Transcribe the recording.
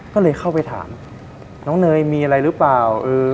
ก็เลยเข้าไปถามน้องเนยมีอะไรหรือเปล่า